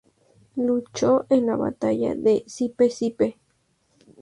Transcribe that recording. Luchó en la batalla de Sipe Sipe.